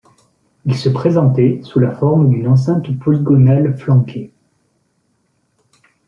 Il se présentait sous la forme d'une enceinte polygonale flanquée.